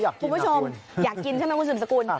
คุณผู้ชมอยากกินใช่ไหมคุณสืบสกุล